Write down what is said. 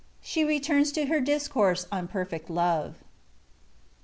8HE RETURNS TO HER DI800UR8B ON PERFECT LOVE.